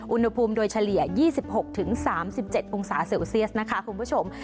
อุณหภูมิโดยเฉลี่ย๒๖๓๗องศาเซลเซียสนะคะคุณผู้ชม